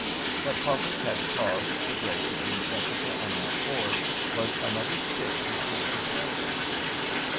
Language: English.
That Poppas had caused the break between Cressida and McChord was another stick her sisters held over her.